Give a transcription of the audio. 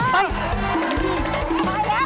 ไปแล้วตรงนู้นเลย